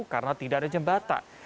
karena tidak ada jembatan